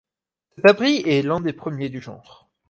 Cet abri est l'un des premiers du genre.